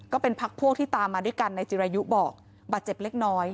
ก็เป็นพักพวกที่ตามมาด้วยกันนายจิรายุบอกบาดเจ็บเล็กน้อย